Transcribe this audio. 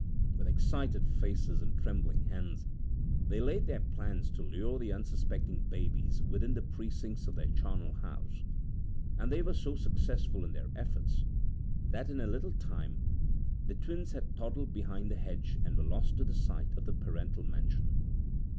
With excited faces and trembling hands they laid their plans to lure the unsuspecting babes within the precincts of their charnel house, and they were so successful in their efforts that in a little time the twins had toddled behind the hedge and were lost to the sight of the parental mansion.